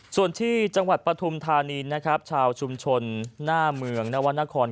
ส่วนที่จังหวัดปฐุมธานีนะครับชาวชุมชนหน้าเมืองนวรรณคร